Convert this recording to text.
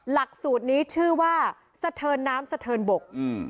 หลักสูตรนี้ชื่อว่าสะเทินน้ำสะเทินบกอืม